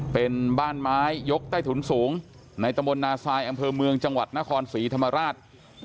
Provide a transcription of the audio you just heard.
เป็นบ้านไม้ยกใต้ถุนสูงในตะบนนาซายอำเภอเมืองจังหวัดนครศรีธรรมราช